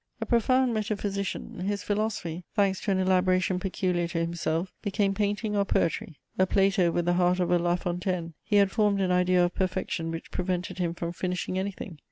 A profound metaphysician, his philosophy, thanks to an elaboration peculiar to himself, became painting or poetry; a Plato with the heart of a La Fontaine, he had formed an idea of perfection which prevented him from finishing anything.